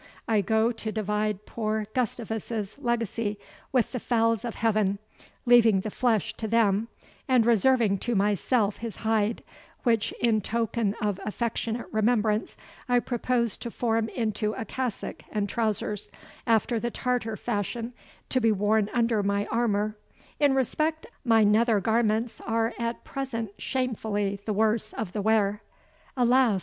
I go to divide poor Gustavus's legacy with the fowls of heaven, leaving the flesh to them, and reserving to myself his hide; which, in token of affectionate remembrance, I purpose to form into a cassock and trowsers, after the Tartar fashion, to be worn under my armour, in respect my nether garments are at present shamefully the worse of the wear. Alas!